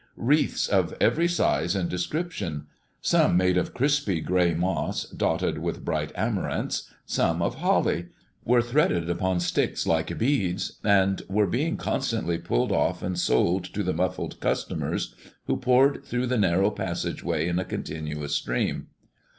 Wreaths of every size and description some made of crispy gray moss, dotted with bright amaranths, some of holly were threaded upon sticks like beads, and were being constantly pulled off and sold to the muffled customers who poured through the narrow passageway in a continuous stream.